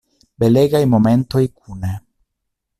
Belegaj momentoj kune.